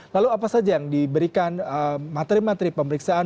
lalu apa saja yang diberikan materi materi pemeriksaan